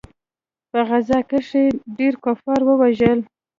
په غزا کښې يې ډېر کفار ووژل.